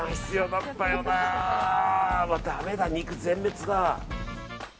だめだ、肉全滅だ。